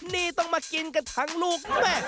นี่ต้องมากินกันทั้งลูกแม่